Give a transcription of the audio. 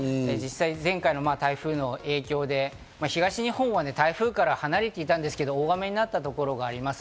前回の台風の影響で東日本は台風から離れていたんですけど、大雨になったところがあります。